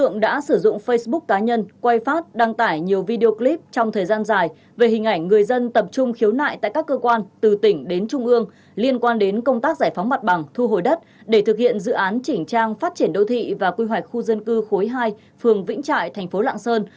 nhằm xử lý cương quyết nghiêm minh các hành vi vi phạm pháp luật liên quan đến dự án chỉnh trang phát triển đô thị và quy hoạch khu dân cư khối hai phường vĩnh trại thành phố lạng sơn